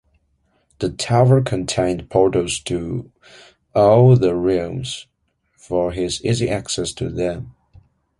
The tower contained portals to all the realms for his easy access to them.